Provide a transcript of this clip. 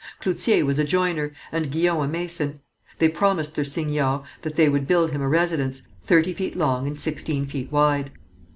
Cloutier was a joiner, and Guyon a mason. They promised their seignior that they would build him a residence, thirty feet long and sixteen feet wide.